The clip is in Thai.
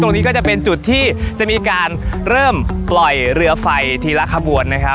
ตรงนี้ก็จะเป็นจุดที่จะมีการเริ่มเปิดเลือดไฟทีละครบวน